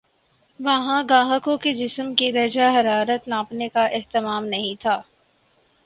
وہاں گاہکوں کے جسم کے درجہ حرارت ناپنے کا اہتمام نہیں تھا